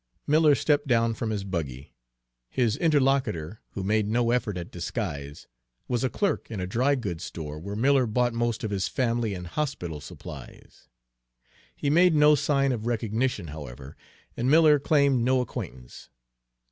Miller stepped down from his buggy. His interlocutor, who made no effort at disguise, was a clerk in a dry goods store where Miller bought most of his family and hospital supplies. He made no sign of recognition, however, and Miller claimed no acquaintance.